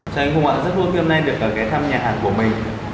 chào anh hùng ạ rất vui khi hôm nay được ghé thăm nhà hàng của mình